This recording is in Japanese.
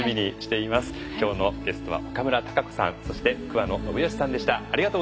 今日のゲストは岡村孝子さんそして桑野信義さんでした。